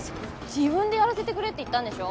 自分でやらせてくれって言ったんでしょ？